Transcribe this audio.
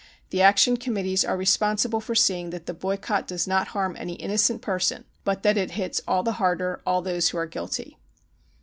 The Action Committees rre responsible foreseeing that the boycott does not harm any innocent person but that it hits all the harder all those who are guilty.